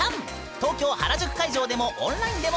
東京・原宿会場でもオンラインでも観覧できるぬん！